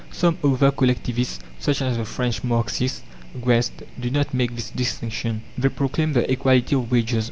Some other collectivists, such as the French Marxist, Guesde, do not make this distinction. They proclaim the "Equality of Wages."